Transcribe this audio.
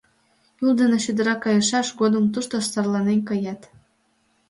Юл дене чодыра кайышаш годым тушто сарланен кият.